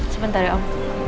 sebentar ya om